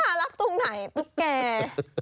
น่ารักตรงไหนตุ๊กแก